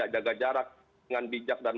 jaga jarak dengan bijak dan